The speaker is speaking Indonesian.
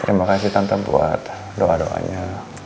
terima kasih tante buat doa doanya